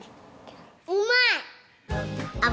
うまいっ！